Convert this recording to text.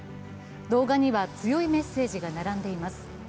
動画には強いメッセージが並んでいます。